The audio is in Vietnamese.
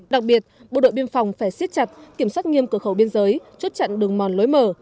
đặc biệt bộ đội biên phòng phải siết chặt kiểm soát nghiêm cửa khẩu biên giới chốt chặn đường mòn lối mở